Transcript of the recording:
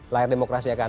layar demokrasi akan datang